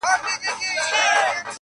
زندان به نه وي بندیوان به نه وي.!